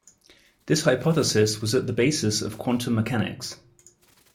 This hypothesis was at the basis of quantum mechanics.